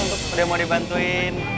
udah mau dibantuin